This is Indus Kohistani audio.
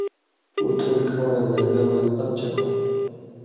اُتھل کھن٘ڑاں زن٘گلہ مہ تپ چک ہُوندوۡ۔